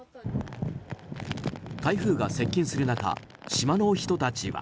台風が接近する中島の人たちは。